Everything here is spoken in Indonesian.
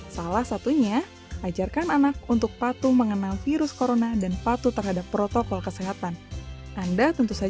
salah satunya ajarkan anak untuk patuh mengenal virus corona dan patuh terhadap protokol kesehatan anda tentu saja harus mengingatkan anak dan anak yang tidak keluar rumah dengan keadaan yang sama dengan anda